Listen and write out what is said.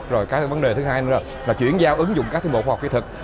rồi cái vấn đề thứ hai nữa là chuyển giao ứng dụng các thiên bộ khoa học kỹ thực